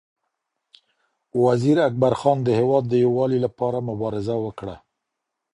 وزیر اکبر خان د هېواد د یووالي لپاره مبارزه وکړه.